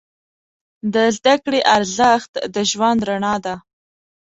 د زده کړې ارزښت د ژوند رڼا ده.